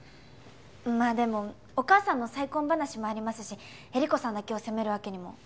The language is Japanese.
まあでもお母さんの再婚話もありますし衿子さんだけを責めるわけにも。